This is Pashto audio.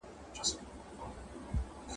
نه یوازي د دوی بله ډېوه مړه ده `